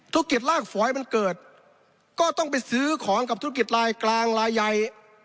ธุรกิจลากฝอยมันเกิดก็ต้องไปซื้อของกับธุรกิจลายกลางลายใหญ่